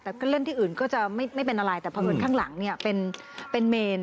แต่ก็เล่นที่อื่นก็จะไม่เป็นอะไรแต่พอเหมือนข้างหลังเนี่ยเป็นเมน